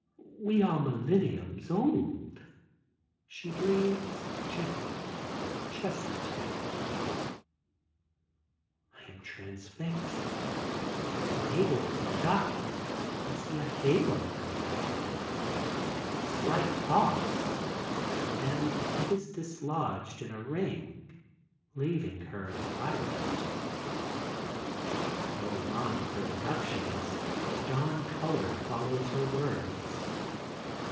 We are millenniums old," she breathes gently, chestnut haired. I am transfixed. When able to look up I see a halo round her head; a slight toss and it is dislodged in a ring leaving her in violet. Going on with her deductions a dawn color follows her words.